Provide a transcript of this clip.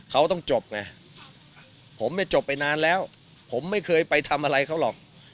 เขาต้องจบไงผมไม่จบไปนานแล้วผมไม่เคยไปทำอะไรเขาหรอก